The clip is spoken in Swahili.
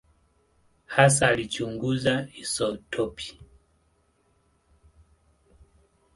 Hasa alichunguza isotopi.